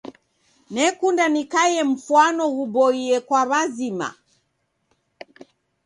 Nekunda nikaiye mfwano ghuboie kwa wazima.